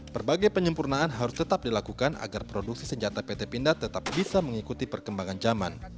berbagai penyempurnaan harus tetap dilakukan agar produksi senjata pt pindad tetap bisa mengikuti perkembangan zaman